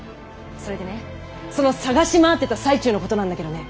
それでねその探し回ってた最中のことなんだけどね。